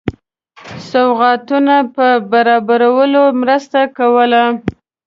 سوغاتونو په برابرولو مرسته کوله.